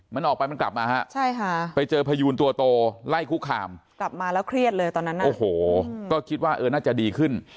มันออกไปมันกลับมาฮะใช่ค่ะไปเจอพยูนตัวโตไล่คุกคามกลับมาแล้วเครียดเลยตอนนั้นโอ้โหก็คิดว่าเออน่าจะดีขึ้น